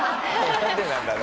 なんでなんだろう？